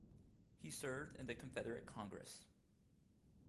He served in the Confederate Congress.